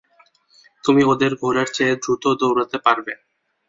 তুমি ওদের ঘোড়ার চেয়ে দ্রুত দৌড়াতে পারবে।